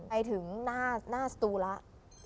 ไปถึงหน้าสตูแล้ว